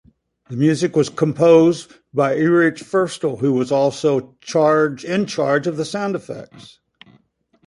The music was composed by Erich Ferstl, who was also in charge of the sound effects.